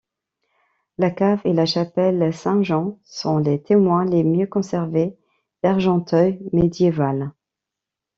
La cave et la chapelle Saint-Jean sont les témoins les mieux conservés d'Argenteuil médiéval.